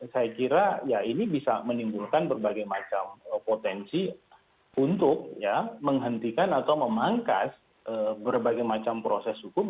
saya kira ya ini bisa menimbulkan berbagai macam potensi untuk menghentikan atau memangkas berbagai macam proses hukum